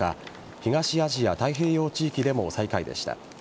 東アジア・太平洋地域でも最下位でした。